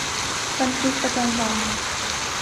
บันทึกประจำวัน